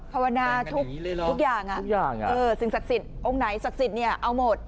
ภาวนาทุกอย่างอ่ะทุกอย่างอ่ะเออสิ่งศักดิ์สิทธิ์องค์ไหนศักดิ์สิทธิ์เนี่ยเอาหมด